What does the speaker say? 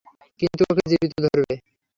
কিন্তু ওকে জীবিত ধরবে।